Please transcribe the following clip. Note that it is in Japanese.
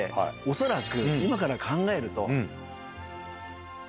恐らく今から考えると。